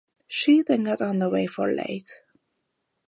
She then got underway for Leyte.